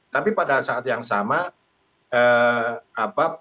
tapi pada saat yang sama